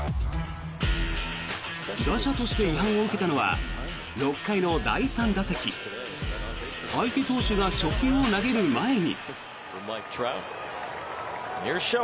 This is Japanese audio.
打者として違反を受けたのは６回の第３打席相手投手が初球を投げる前に。